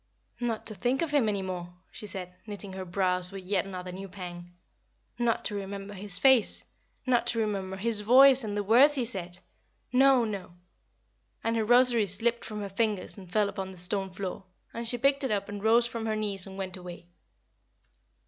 "Not to think of him any more," she said, knitting her brows with yet another new pang. "Not to remember his face not to remember his voice and the words he said! No, no!" And her rosary slipped from her fingers and fell upon the stone floor, and she picked it up and rose from her knees and went away.